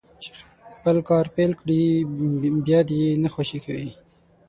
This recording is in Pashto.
چې خپل کار پيل کړي بيا دې يې نه خوشي کوي.